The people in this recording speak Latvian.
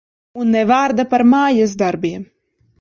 Un ne vārda par mājasdarbiem.